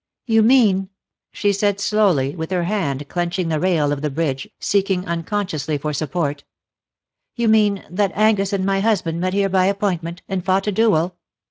'^You mean/' she said slowly, with her hand clenching the rail of the bridge, seeking uncon sciously for support ;'' you mean that Angus and my husband met here by appointment, and fought a duel?"